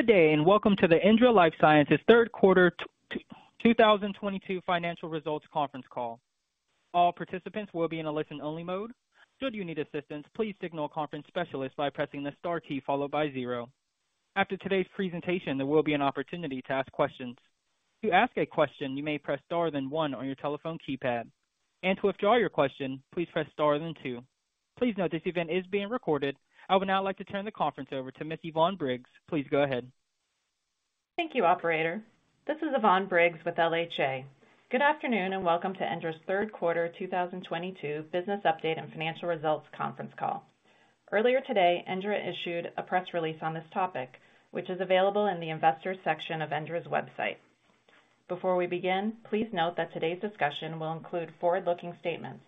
Good day, and welcome to the ENDRA Life Sciences third quarter 2022 financial results conference call. All participants will be in a listen-only mode. Should you need assistance, please signal a conference specialist by pressing the star key followed by zero. After today's presentation, there will be an opportunity to ask questions. To ask a question, you may press star then one on your telephone keypad. To withdraw your question, please press star then two. Please note this event is being recorded. I would now like to turn the conference over to Miss Yvonne Briggs. Please go ahead. Thank you, operator. This is Yvonne Briggs with LHA. Good afternoon, and welcome to ENDRA's third quarter 2022 business update and financial results conference call. Earlier today, ENDRA issued a press release on this topic, which is available in the investors section of ENDRA's website. Before we begin, please note that today's discussion will include forward-looking statements.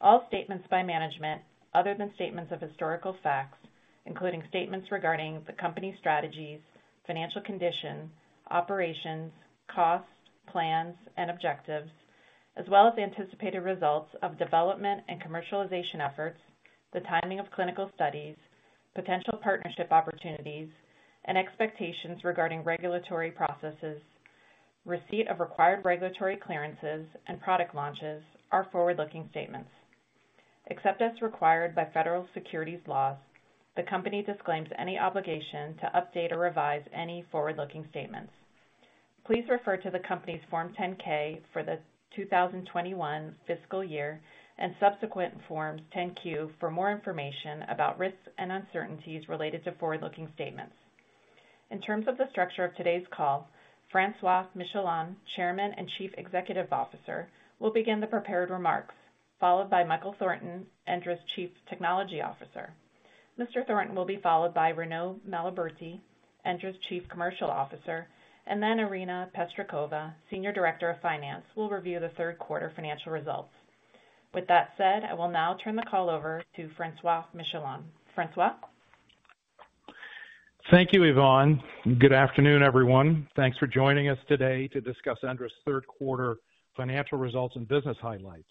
All statements by management, other than statements of historical facts, including statements regarding the company's strategies, financial condition, operations, costs, plans, and objectives. As well as anticipated results of development and commercialization efforts. The timing of clinical studies, potential partnership opportunities, and expectations regarding regulatory processes, receipt of required regulatory clearances, and product launches are forward-looking statements. Except as required by federal securities laws, the company disclaims any obligation to update or revise any forward-looking statements. Please refer to the company's Form 10-K for the 2021 fiscal year and subsequent Form 10-Q for more information about risks and uncertainties related to forward-looking statements. In terms of the structure of today's call, Francois Michelon, Chairman and Chief Executive Officer, will begin the prepared remarks, followed by Michael Thornton, ENDRA's Chief Technology Officer. Mr. Thornton will be followed by Renaud Maloberti, ENDRA's Chief Commercial Officer, and then Irina Pestrikova, Senior Director of Finance, will review the third quarter financial results. With that said, I will now turn the call over to Francois Michelon. Francois. Thank you, Yvonne. Good afternoon, everyone. Thanks for joining us today to discuss ENDRA's third quarter financial results and business highlights.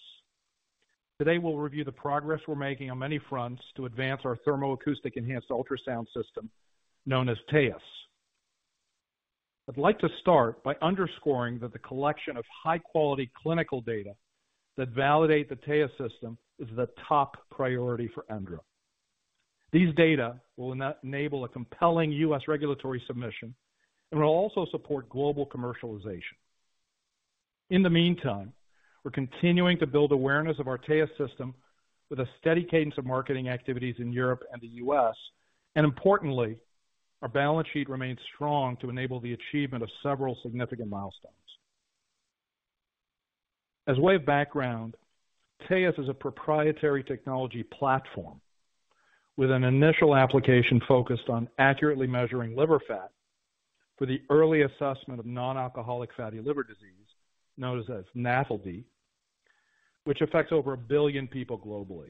Today, we'll review the progress we're making on many fronts to advance our Thermo-Acoustic Enhanced UltraSound system, known as TAEUS. I'd like to start by underscoring that the collection of high quality clinical data that validate the TAEUS system is the top priority for ENDRA. These data will enable a compelling U.S. regulatory submission. We will also support global commercialization. In the meantime, we're continuing to build awareness of our TAEUS system with a steady cadence of marketing activities in Europe and the U.S., and importantly, our balance sheet remains strong to enable the achievement of several significant milestones. By way of background, TAEUS is a proprietary technology platform with an initial application focused on accurately measuring liver fat for the early assessment of non-alcoholic fatty liver disease, known as NAFLD, which affects over a billion people globally.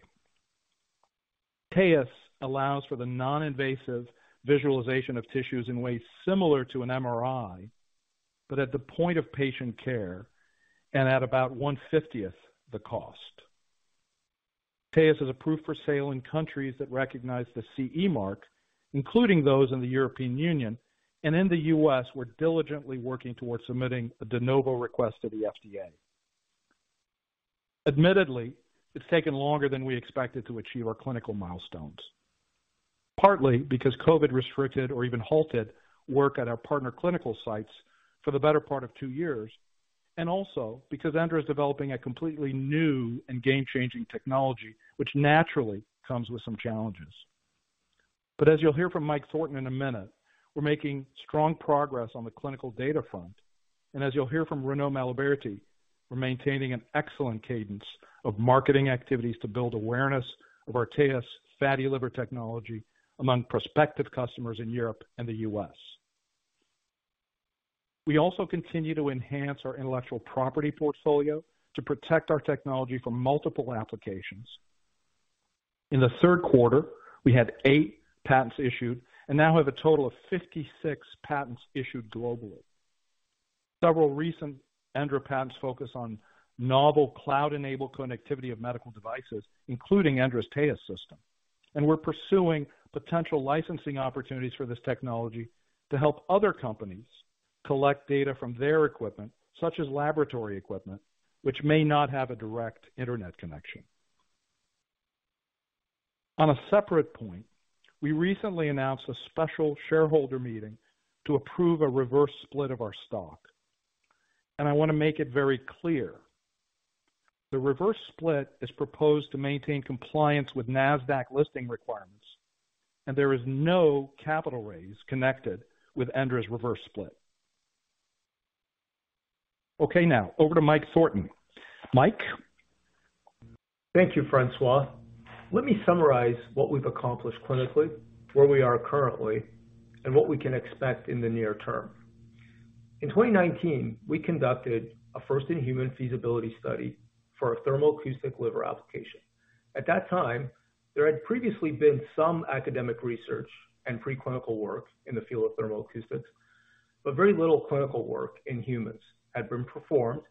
TAEUS allows for the non-invasive visualization of tissues in ways similar to an MRI, but at the point of patient care and at about one-50th the cost. TAEUS is approved for sale in countries that recognize the CE mark, including those in the European Union. In the U.S., we're diligently working towards submitting a de novo request to the FDA. Admittedly, it's taken longer than we expected to achieve our clinical milestones, partly because COVID restricted or even halted work at our partner clinical sites for the better part of two years, and also because ENDRA is developing a completely new and game-changing technology, which naturally comes with some challenges. As you'll hear from Mike Thornton in a minute, we're making strong progress on the clinical data front. As you'll hear from Renaud Maloberti, we're maintaining an excellent cadence of marketing activities to build awareness of our TAEUS fatty liver technology among prospective customers in Europe and the U.S. We also continue to enhance our intellectual property portfolio to protect our technology from multiple applications. In the third quarter, we had eight patents issued and now have a total of 56 patents issued globally. Several recent ENDRA patents focus on novel cloud-enabled connectivity of medical devices, including ENDRA's TAEUS system. We're pursuing potential licensing opportunities for this technology to help other companies collect data from their equipment, such as laboratory equipment, which may not have a direct internet connection. On a separate point, we recently announced a special shareholder meeting to approve a reverse split of our stock. I want to make it very clear, the reverse split is proposed to maintain compliance with Nasdaq listing requirements, and there is no capital raise connected with ENDRA's reverse split. Okay, now over to Mike Thornton. Mike. Thank you, Francois. Let me summarize what we've accomplished clinically, where we are currently, and what we can expect in the near term. In 2019, we conducted a first-in-human feasibility study for a thermoacoustic liver application. At that time, there had previously been some academic research and pre-clinical work in the field of thermoacoustics. Very little clinical work in humans had been performed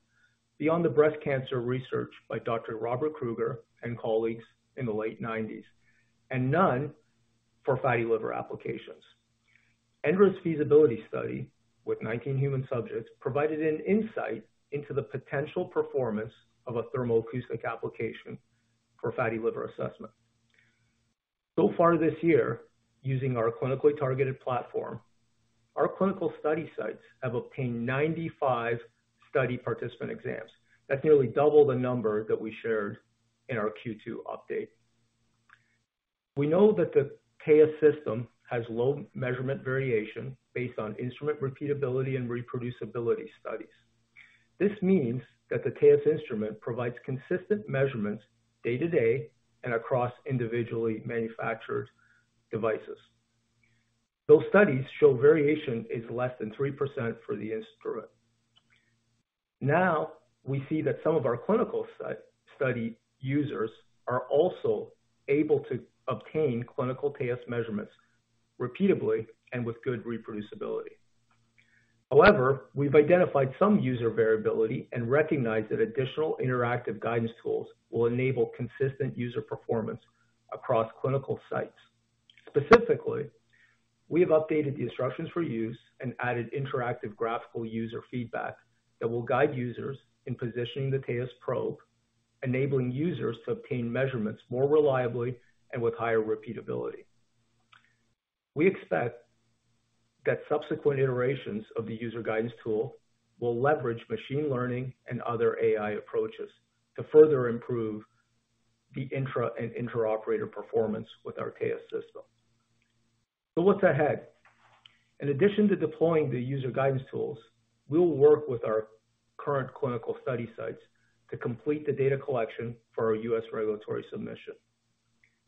beyond the breast cancer research by Dr. Robert Kruger and colleagues in the late nineties, and none for fatty liver applications. ENDRA's feasibility study with 19 human subjects provided an insight into the potential performance of a thermoacoustic application for fatty liver assessment. So far this year, using our clinically targeted platform, our clinical study sites have obtained 95 study participant exams. That's nearly double the number that we shared in our Q2 update. We know that the TAEUS system has low measurement variation based on instrument repeatability and reproducibility studies. This means that the TAEUS instrument provides consistent measurements day to day and across individually manufactured devices. Those studies show variation is less than 3% for the instrument. Now, we see that some of our clinical study users are also able to obtain clinical TAEUS measurements repeatably and with good reproducibility. However, we've identified some user variability and recognize that additional interactive guidance tools will enable consistent user performance across clinical sites. Specifically, we have updated the instructions for use and added interactive graphical user feedback that will guide users in positioning the TAEUS probe, enabling users to obtain measurements more reliably and with higher repeatability. We expect that subsequent iterations of the user guidance tool will leverage machine learning and other AI approaches to further improve the intra- and inter-operator performance with our TAEUS system. What's ahead? In addition to deploying the user guidance tools, we will work with our current clinical study sites to complete the data collection for our U.S. regulatory submission.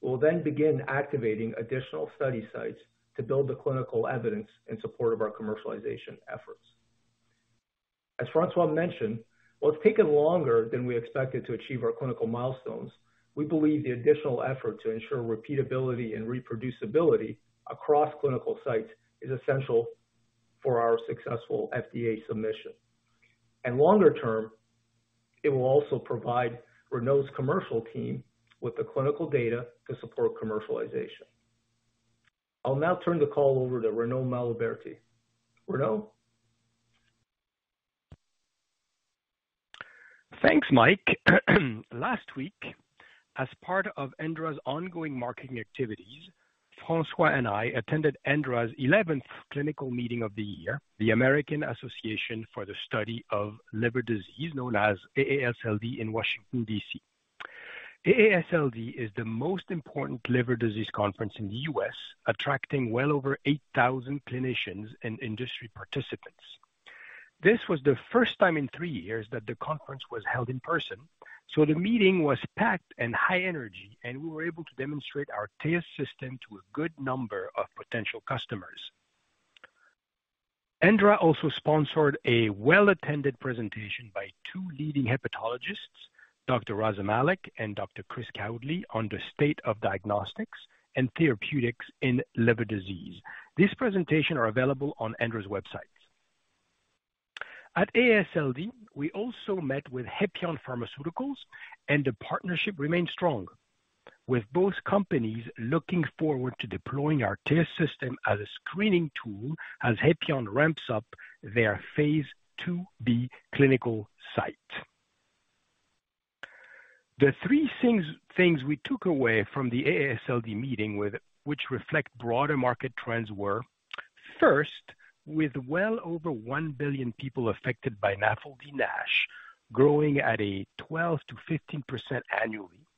We'll then begin activating additional study sites to build the clinical evidence in support of our commercialization efforts. As Francois mentioned, while it's taken longer than we expected to achieve our clinical milestones, we believe the additional effort to ensure repeatability and reproducibility across clinical sites is essential for our successful FDA submission. Longer term, it will also provide Renaud's commercial team with the clinical data to support commercialization. I'll now turn the call over to Renaud Maloberti. Renaud? Thanks, Mike. Last week, as part of ENDRA's ongoing marketing activities, Francois and I attended ENDRA's eleventh clinical meeting of the year, the American Association for the Study of Liver Diseases, known as AASLD in Washington, D.C. AASLD is the most important liver disease conference in the U.S., attracting well over 8,000 clinicians and industry participants. This was the first time in three years that the conference was held in person. The meeting was packed and high energy, and we were able to demonstrate our TAEUS system to a good number of potential customers. ENDRA also sponsored a well-attended presentation by two leading hepatologists, Dr. Raza Malik and Dr. Kris V. Kowdley, on the state of diagnostics and therapeutics in liver disease. These presentations are available on ENDRA's website. At AASLD, we also met with Hepion Pharmaceuticals, and the partnership remains strong, with both companies looking forward to deploying our TAEUS system as a screening tool as Hepion ramps up their phase II-B clinical site. The three things we took away from the AASLD meeting, which reflect broader market trends were. First, with well over 1 billion people affected by NAFLD/NASH growing at a 12%-15% annually,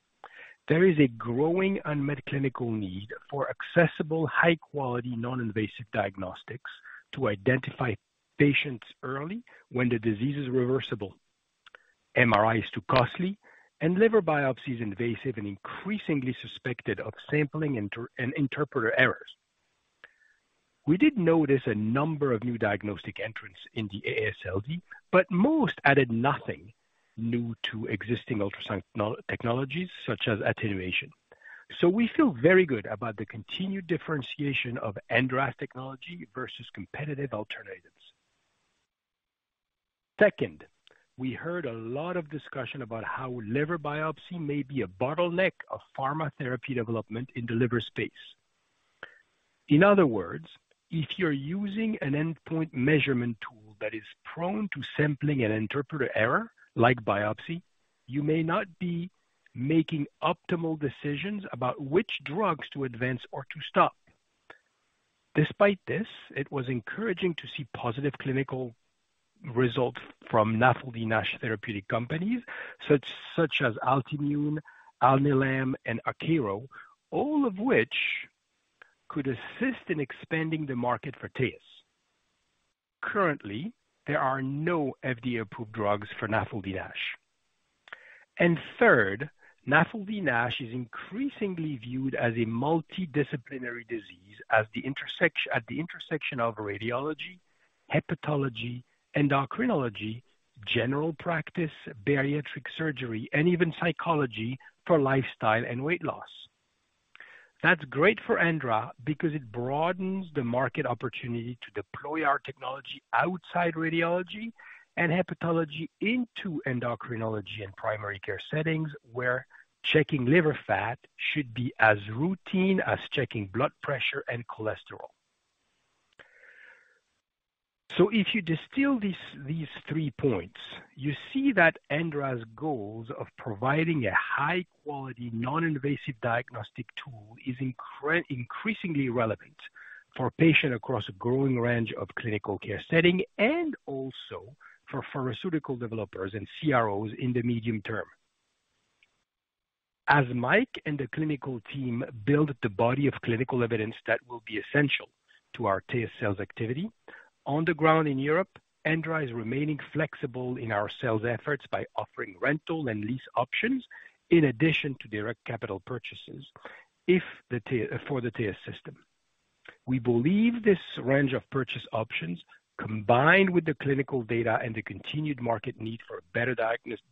there is a growing unmet clinical need for accessible, high-quality, non-invasive diagnostics to identify patients early when the disease is reversible. MRI is too costly, and liver biopsy is invasive and increasingly suspected of sampling interpretation errors. We did notice a number of new diagnostic entrants in the AASLD, but most added nothing new to existing ultrasound technologies such as attenuation. We feel very good about the continued differentiation of ENDRA's technology versus competitive alternatives. Second, we heard a lot of discussion about how liver biopsy may be a bottleneck of pharma therapy development in the liver space. In other words, if you're using an endpoint measurement tool that is prone to sampling and interpreter error like biopsy, you may not be making optimal decisions about which drugs to advance or to stop. Despite this, it was encouraging to see positive clinical results from NAFLD/NASH therapeutic companies such as Altimmune, Alnylam, and Akero, all of which could assist in expanding the market for TAEUS. Currently, there are no FDA-approved drugs for NAFLD/NASH. Third, NAFLD/NASH is increasingly viewed as a multidisciplinary disease at the intersection of radiology, hepatology, endocrinology, general practice, bariatric surgery, and even psychology for lifestyle and weight loss. That's great for ENDRA because it broadens the market opportunity to deploy our technology outside radiology and hepatology into endocrinology and primary care settings, where checking liver fat should be as routine as checking blood pressure and cholesterol. If you distill these three points, you see that ENDRA's goals of providing a high quality, non-invasive diagnostic tool is increasingly relevant for patients across a growing range of clinical care setting, and also for pharmaceutical developers and CROs in the medium term. As Mike and the clinical team build the body of clinical evidence that will be essential to our TAEUS sales activity, on the ground in Europe, ENDRA is remaining flexible in our sales efforts by offering rental and lease options in addition to direct capital purchases for the TAEUS system. We believe this range of purchase options, combined with the clinical data, and the continued market need for a better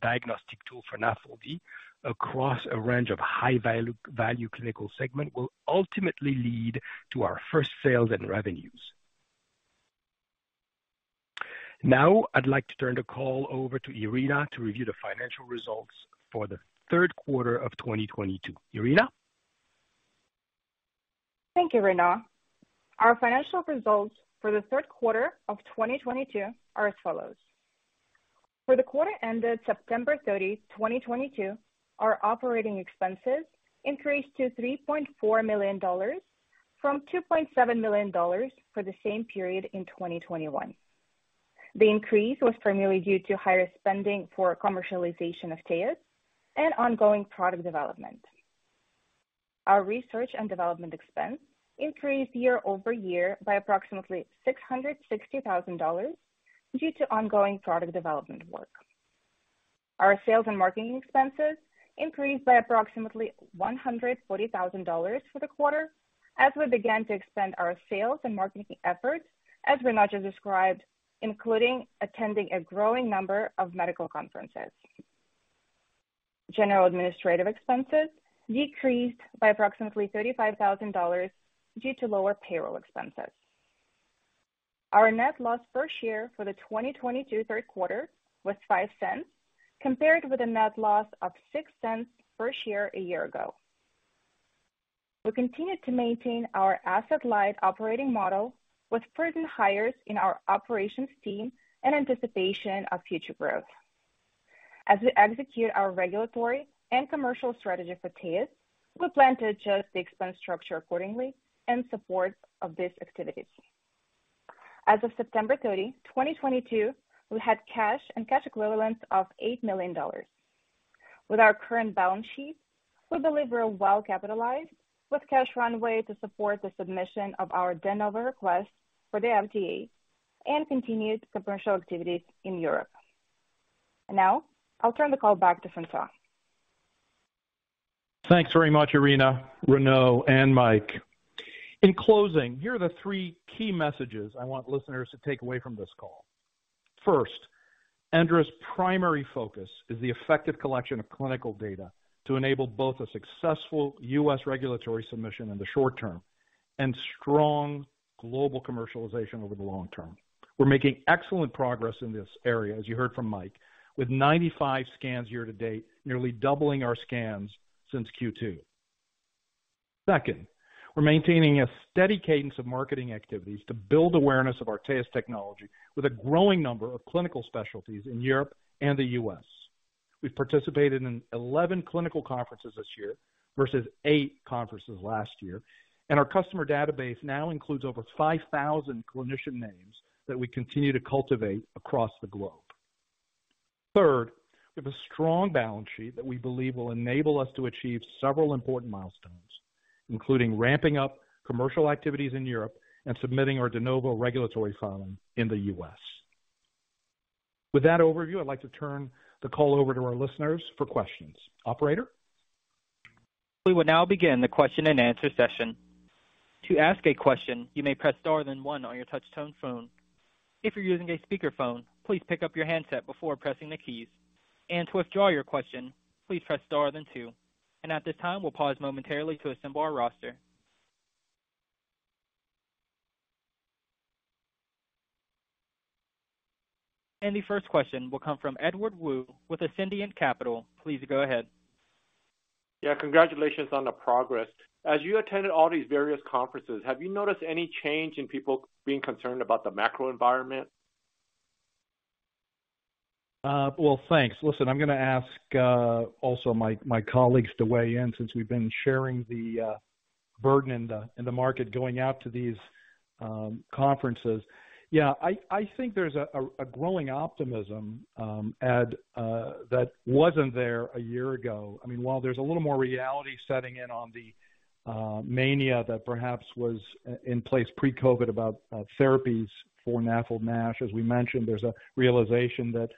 diagnostic tool for NAFLD across a range of high value clinical segment, will ultimately lead to our first sales and revenues. Now, I'd like to turn the call over to Irina Pestrikova to review the financial results for the third quarter of 2022. Irina. Thank you, Renaud. Our financial results for the third quarter of 2022 are as follows. For the quarter ended September 30, 2022, our operating expenses increased to $3.4 million from $2.7 million for the same period in 2021. The increase was primarily due to higher spending for commercialization of TAEUS, and ongoing product development. Our research and development expense increased year over year by approximately $660,000 due to ongoing product development work. Our sales and marketing expenses increased by approximately $140,000 for the quarter as we began to expand our sales and marketing efforts, as Renaud just described, including attending a growing number of medical conferences. General administrative expenses decreased by approximately $35,000 due to lower payroll expenses. Our net loss per share for the 2022 third quarter was $0.05, compared with a net loss of $0.06 per share a year ago. We continued to maintain our asset-light operating model with prudent hires in our operations team in anticipation of future growth. As we execute our regulatory and commercial strategy for TAEUS, we plan to adjust the expense structure accordingly in support of these activities. As of September 30, 2022, we had cash and cash equivalents of $8 million. With our current balance sheet, we believe we're well capitalized with cash runway to support the submission of our de novo request for the FDA, and continued commercial activities in Europe. Now I'll turn the call back to Francois. Thanks very much, Irina, Renaud, and Michael. In closing, here are the three key messages I want listeners to take away from this call. First, ENDRA's primary focus is the effective collection of clinical data to enable both a successful U.S. regulatory submission in the short term, and strong global commercialization over the long term. We're making excellent progress in this area, as you heard from Mike, with 95 scans year to date, nearly doubling our scans since Q2. Second, we're maintaining a steady cadence of marketing activities to build awareness of our TAEUS technology with a growing number of clinical specialties in Europe and the U.S. We've participated in 11 clinical conferences this year versus eight conferences last year, and our customer database now includes over 5,000 clinician names that we continue to cultivate across the globe. Third, we have a strong balance sheet that we believe will enable us to achieve several important milestones, including ramping up commercial activities in Europe and submitting our de novo regulatory filing in the U.S. With that overview, I'd like to turn the call over to our listeners for questions. Operator? We will now begin the question-and-answer session. To ask a question, you may press star then one on your touch tone phone. If you're using a speakerphone, please pick up your handset before pressing the keys. To withdraw your question, please press star then two. At this time, we'll pause momentarily to assemble our roster. The first question will come from Edward Woo with Ascendiant Capital. Please go ahead. Yeah. Congratulations on the progress. As you attended all these various conferences, have you noticed any change in people being concerned about the macro environment? Well, thanks. Listen, I'm gonna ask also my colleagues to weigh in since we've been sharing the burden in the market going out to these conferences. Yeah, I think there's a growing optimism, Ed, that wasn't there a year ago. I mean, while there's a little more reality setting in on the mania that perhaps was in place pre-COVID about therapies for NAFLD/NASH. As we mentioned, there's a realization that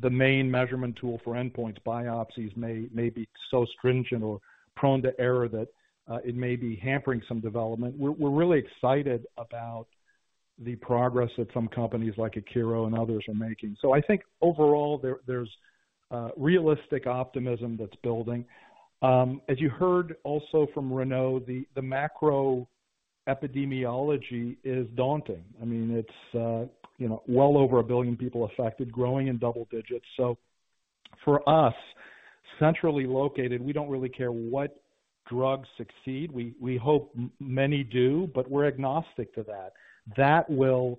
the main measurement tool for endpoints biopsies may be so stringent or prone to error that it may be hampering some development. We're really excited about the progress that some companies like Akero and others are making. I think overall there's realistic optimism that's building. As you heard also from Renaud, the macro epidemiology is daunting. I mean, it's well over 1 billion people affected, growing in double digits. For us, centrally located, we don't really care what drugs succeed. We hope many do, but we're agnostic to that. That will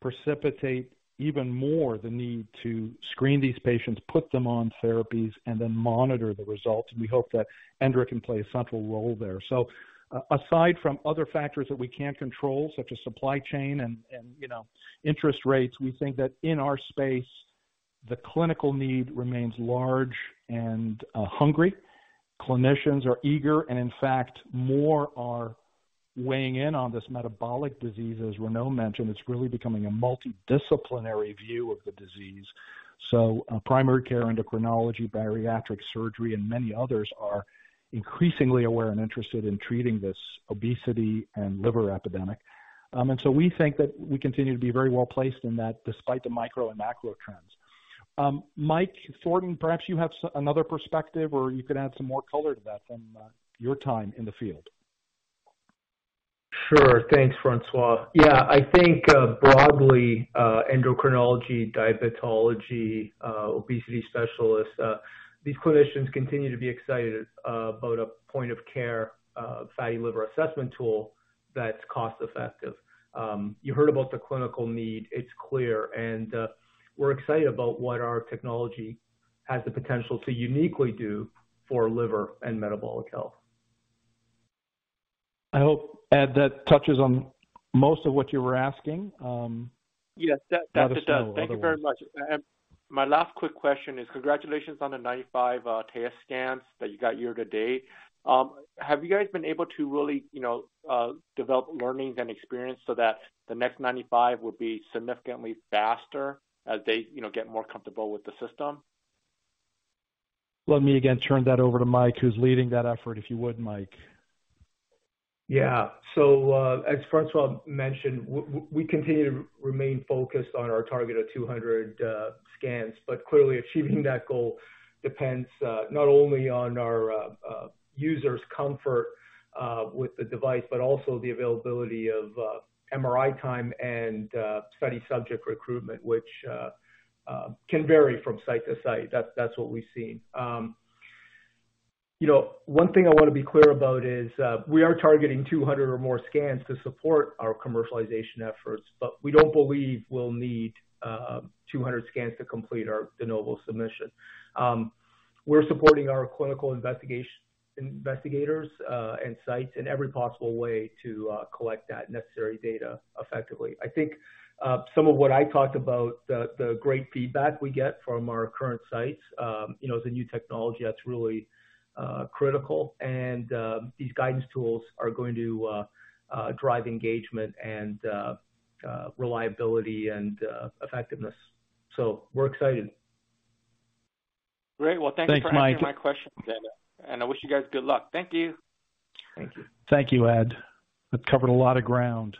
precipitate even more the need to screen these patients, put them on therapies, and then monitor the results. We hope that ENDRA can play a central role there. Aside from other factors that we can't control, such as supply chain, and interest rates, we think that in our space, the clinical need remains large and hungry. Clinicians are eager, and in fact, more are weighing in on this metabolic disease. As Renaud mentioned, it's really becoming a multidisciplinary view of the disease. Primary care endocrinology, bariatric surgery, and many others are increasingly aware, and interested in treating this obesity and liver epidemic. We think that we continue to be very well-placed in that despite the micro and macro trends. Mike Thornton, perhaps you have another perspective, or you could add some more color to that from your time in the field. Sure. Thanks, Francois. Yeah. I think, broadly, endocrinology, diabetology, obesity specialists, these clinicians continue to be excited about a point-of-care, fatty liver assessment tool that's cost-effective. You heard about the clinical need, it's clear, and, we're excited about what our technology has the potential to uniquely do for liver and metabolic health. I hope, Ed, that touches on most of what you were asking. Yes, that it does. Thank you very much. My last quick question is congratulations on the 95 TA scans that you got year to date. Have you guys been able to really develop learnings and experience so that the next 95 will be significantly faster as they get more comfortable with the system? Let me again turn that over to Mike, who's leading that effort. If you would, Mike. Yeah. As Francois mentioned, we continue to remain focused on our target of 200 scans, but clearly achieving that goal depends not only on our user's comfort with the device, but also the availability of MRI time and study subject recruitment, which can vary from site to site. That's what we've seen. One thing I wanna be clear about is we are targeting 200 or more scans to support our commercialization efforts, but we don't believe we'll need 200 scans to complete our de novo submission. We're supporting our clinical investigators and sites in every possible way to collect that necessary data effectively. I think some of what I talked about, the great feedback we get from our current sites as a new technology, that's really critical. These guidance tools are going to drive engagement and reliability and effectiveness. We're excited. Thanks, Mike. Great. Well, thank you for answering my question then. I wish you guys good luck. Thank you. Thank you. Thank you, Ed. That covered a lot of ground.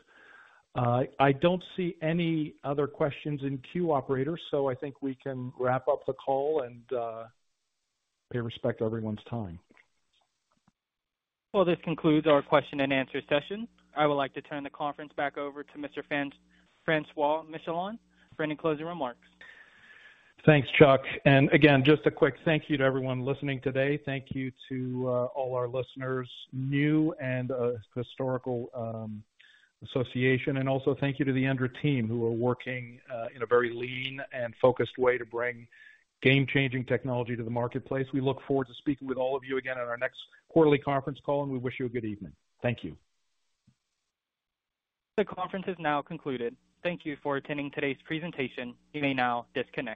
I don't see any other questions in queue. Operator, I think we can wrap up the call and pay respect to everyone's time. Well, this concludes our question and answer session. I would like to turn the conference back over to Mr. Francois Michelon for any closing remarks. Thanks, Chuck. Again, just a quick thank you to everyone listening today. Thank you to all our listeners, new and historical association. Also thank you to the ENDRA team who are working in a very lean and focused way to bring game-changing technology to the marketplace. We look forward to speaking with all of you again on our next quarterly conference call, and we wish you a good evening. Thank you. The conference is now concluded. Thank you for attending today's presentation. You may now disconnect.